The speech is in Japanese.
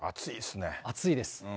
暑いです。